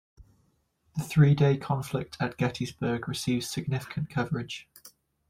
The three-day conflict at Gettysburg receives significant coverage.